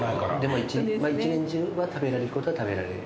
一年中は食べられることは食べられる？